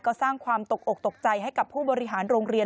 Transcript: ก็สร้างความตกอกตกใจให้กับผู้บริหารโรงเรียน